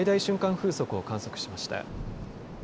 風速を観測しました。